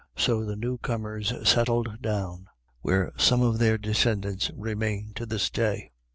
So the new comers settled down, where some of their descendants remain to this day.